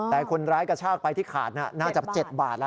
แต่คนร้ายกระชากไปที่ขาดน่าจะ๗บาทแล้ว